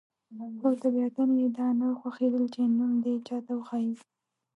خو طبیعتاً یې دا نه خوښېدل چې نوم دې چاته وښيي.